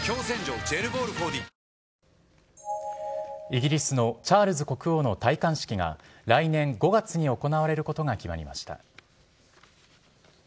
イギリスのチャールズ国王の戴冠式が来年５月に行われることが決まりました。